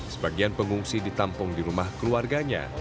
sebagian pengungsi ditampung di rumah keluarganya